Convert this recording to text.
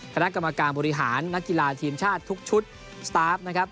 คณะกรรมการบริหารนักกีฬาทีมชาติทุกชุดสตาร์ฟนะครับ